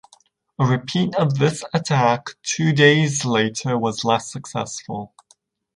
A repeat of this attack two days later was less successful.